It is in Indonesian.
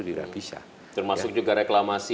tidak bisa termasuk juga reklamasi